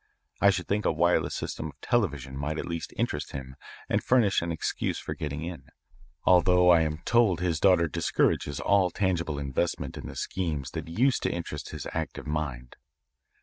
I should think a wireless system of television might at least interest him and furnish an excuse for getting in, although I am told his daughter discourages all tangible investment in the schemes that used to interest his active mind."